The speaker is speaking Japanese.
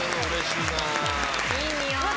いい匂い！